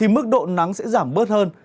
mức độ nắng sẽ giảm bớt hơn